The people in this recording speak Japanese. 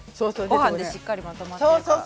ご飯でしっかりまとまってるから。